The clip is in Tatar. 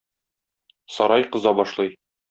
Сарай кыза башлый.